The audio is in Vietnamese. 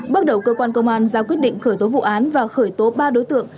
bắt đầu cơ quan công an giáo quyết định khởi tố vụ án và khởi tố ba đối tượng